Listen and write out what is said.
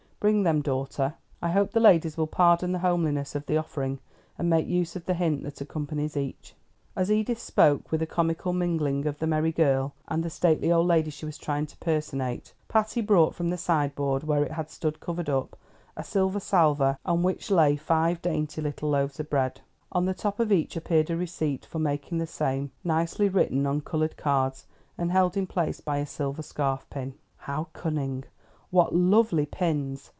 Bring them, daughter; I hope the ladies will pardon the homeliness of the offering, and make use of the hint that accompanies each." As Edith spoke, with a comical mingling of the merry girl and the stately old lady she was trying to personate, Patty brought from the side board, where it had stood covered up, a silver salver on which lay five dainty little loaves of bread; on the top of each appeared a receipt for making the same, nicely written on colored cards, and held in place by a silver scarf pin. "How cunning!" "What lovely pins!"